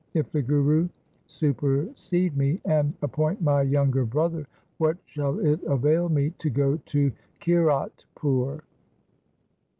If the Guru supersede me and appoint my younger brother, what shall it avail me to go to Kiratpur